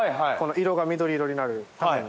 色が緑色になるために。